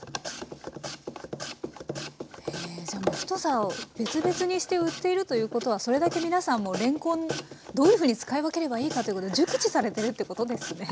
太さを別々にして売っているということはそれだけ皆さんもれんこんどういうふうに使い分ければいいかということ熟知されてるってことですね。